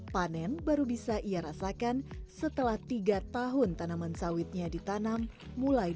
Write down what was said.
panen baru bisa ia rasakan setelah tiga tahun tanaman sawitnya ditanam mulai dua ribu sembilan silam